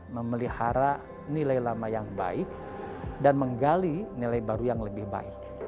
memelihara nilai lama yang baik dan menggali nilai baru yang lebih baik